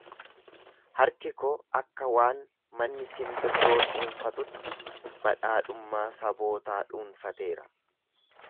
Harki koo akka waan manni simbiroo dhuunfatutti badhaadhummaa sabootaa dhuunfateera.